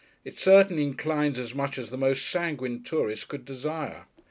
It certainly inclines as much as the most sanguine tourist could desire.